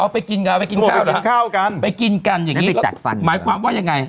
อ๋อไปกินข้าวหรอไปกินกันอย่างงี้หมายความว่ายังง่าย